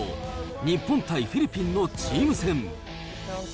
日本対フィリピンのチーム戦。